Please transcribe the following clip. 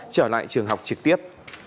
trở lại trường học trực tiếp